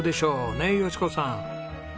ねえ佳子さん。